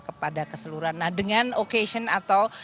kepada keseluruhan nah dengan occasion atau